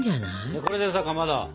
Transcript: これでさかまど。